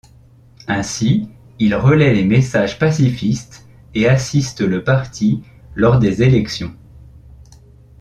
Ainsi, il relaie les messages pacifistes et assiste le parti lors des élections.